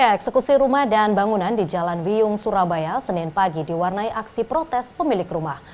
eksekusi rumah dan bangunan di jalan wiyung surabaya senin pagi diwarnai aksi protes pemilik rumah